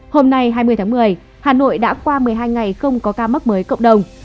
hôm nay hai mươi tháng một mươi hà nội đã qua một mươi hai ngày không có ca mắc mới cộng đồng